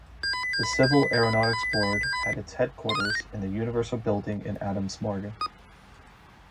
The Civil Aeronautics Board had its headquarters in the Universal Building in Adams Morgan.